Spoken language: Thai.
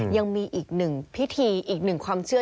ยังมีอีกหนึ่งพิธีอีกหนึ่งความเชื่อ